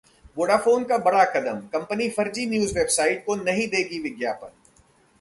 Vodafone का बड़ा कदम, कंपनी फर्जी न्यूज वेबसाइट को नहीं देगी विज्ञापन